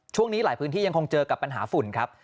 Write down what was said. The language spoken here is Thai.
ช่วงนี้หลายพื้นที่ยังคงเจอกับปัญหาฝุ่นครับ